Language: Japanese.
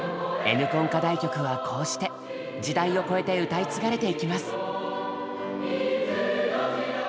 「Ｎコン」課題曲はこうして時代を超えて歌い継がれてゆきます。